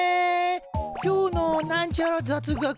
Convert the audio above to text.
「今日のなんちゃら雑学」。